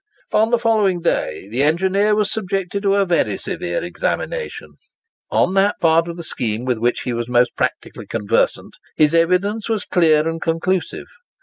On the following day, the engineer was subjected to a very severe examination. On that part of the scheme with which he was most practically conversant, his evidence was clear and conclusive.